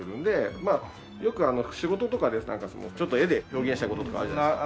まあよく仕事とかでちょっと絵で表現したい事とかあるじゃないですか。